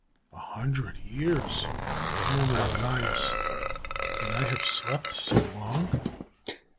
"A hundred years," murmured Onias. "Can I have slept so long?"